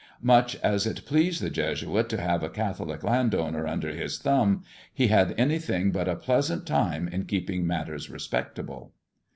Much as it pleased the Jesuit to have a Catholic landowner under his thumb, he had anything but a pleasant time in keeping matters respectable.